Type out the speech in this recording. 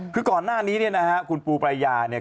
คือก่อนหน้านี้เนี่ยนะฮะคุณปูปรายาเนี่ย